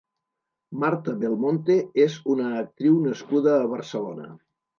Marta Belmonte és una actriu nascuda a Barcelona.